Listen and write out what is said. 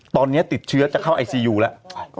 ตอนนี้ติดเชื้อจะเข้าไอซียูแล้ว